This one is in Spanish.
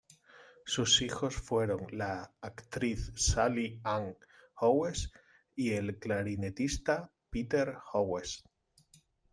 Sus hijos fueron la actriz Sally Ann Howes y el clarinetista Peter Howes.